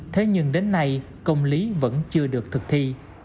thế nhưng đến nay công lý vẫn chưa được thực thi